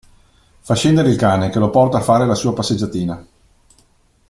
Fa scendere il cane che lo porto a fare la sua passeggiatina.